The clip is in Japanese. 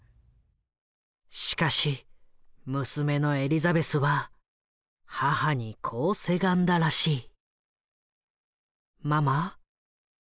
しかし娘のエリザベスは母にこうせがんだらしい。